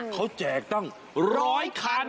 เขาแจกตั้ง๑๐๐คัน